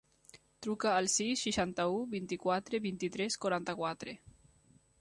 Truca al sis, seixanta-u, vint-i-quatre, vint-i-tres, quaranta-quatre.